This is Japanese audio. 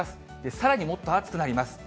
さらにもっと暑くなります。